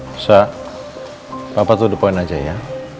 elsa papa sudah poin aja ya